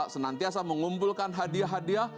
senantiasa mengumpulkan hadiah hadiah